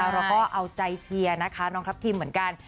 เราก็เอาใจเชียร์นะคะน้องทัพทิมเหมือนกัน